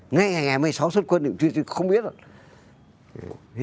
ngay ngày một mươi sáu xuất quân thì không biết rồi